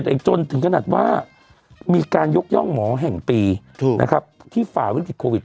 แต่จนถึงขนาดว่ามีการยกย่องหมอแห่งปีถูกนะครับที่ฝ่าวิกฤตโควิด